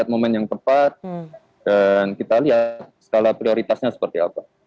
momen yang tepat dan kita lihat skala prioritasnya seperti apa